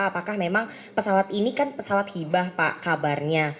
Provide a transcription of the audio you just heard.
apakah memang pesawat ini kan pesawat hibah pak kabarnya